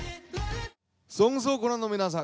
「ＳＯＮＧＳ」をご覧の皆さん。